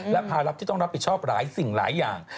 และภาระที่ต้องรับผิดชอบหลายสิ่งหลายอย่าง